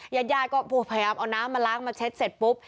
ญาติญาติก็พยายามเอาน้ำมาล้างมาเช็ดเสร็จปุ๊บ